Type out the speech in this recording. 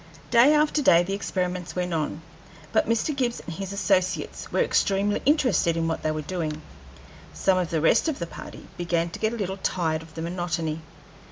Day after day the experiments went on; but Mr. Gibbs and his associates were extremely interested in what they were doing; some of the rest of the party began to get a little tired of the monotony.